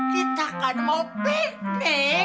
kita kan mau bed nek